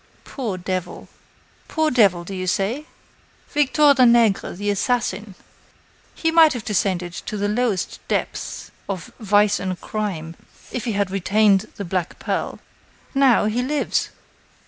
"Poor devil " "Poor devil, do you say? Victor Danègre, the assassin! He might have descended to the lowest depths of vice and crime, if he had retained the black pearl. Now, he lives!